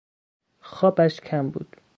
خوابش کم بود.